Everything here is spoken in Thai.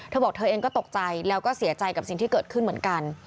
เธอบอกเธอเองก็ตกใจแล้วก็เสียใจกับสิ่งที่เกิดขึ้นเหมือนกัน